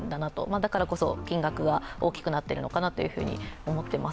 だからこそ金額が大きくなっているのかなと思っています。